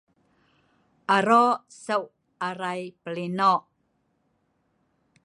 Aro seuu' arai pelino'